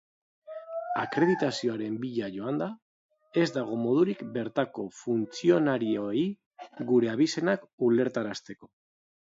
Akreditazioaren bila joanda, ez dago modurik bertako funtzionarioei gure abizenak ulertarazteko.